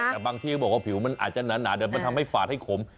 แต่บางที่บอกว่าผิวมันอาจงั้นหนันมันทำให้ฝานให้ขม